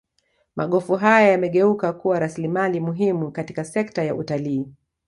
Magofu haya yamegeuka kuwa rasilimali muhimu katika sekta ya utalii